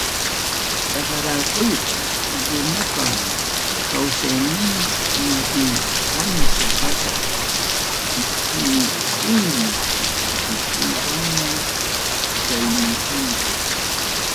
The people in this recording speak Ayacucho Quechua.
Kasarakuyqa runapa kawsayninpi ancha hatun punchawmi, sinchi kusikuywanmi raymichanchik.